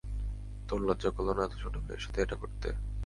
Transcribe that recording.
তোর লজ্জা করল না এত ছোট মেয়ের সাথে এটা করতে।